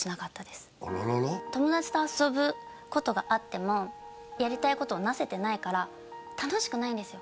友達と遊ぶことがあってもやりたいことをなせてないから楽しくないんですよ